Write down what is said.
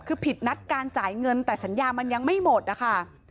คือผิดนัดการจ่ายเงินแต่สัญญามันยังไม่หมดนะคะ